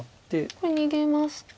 これ逃げますと。